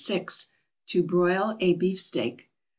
=To broil a Beefsteak.